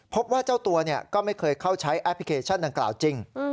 พบว่าเจ้าตัวก็ไม่เคยเข้าใช้แอปพลิเคชันดังกล่าวจริง